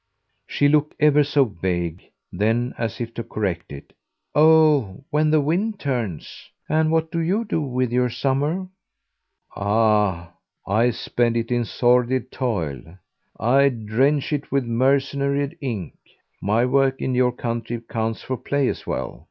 She looked ever so vague; then as if to correct it: "Oh when the wind turns. And what do you do with your summer?" "Ah I spend it in sordid toil. I drench it with mercenary ink. My work in your country counts for play as well.